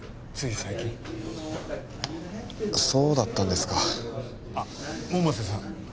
最近そうだったんですかあっ百瀬さん